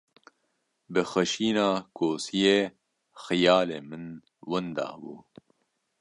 Bi xişîna kosiyê, xiyalê min winda bû.